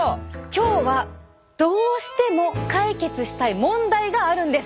今日はどうしても解決したい問題があるんです。